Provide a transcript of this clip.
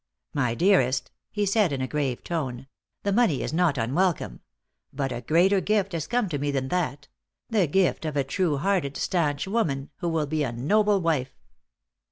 "My dearest," he said in a grave tone, "the money is not unwelcome; but a greater gift has come to me than that the gift of a true hearted, stanch woman, who will be a noble wife."